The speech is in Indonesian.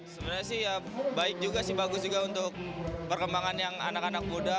sebenarnya sih ya baik juga sih bagus juga untuk perkembangan yang anak anak muda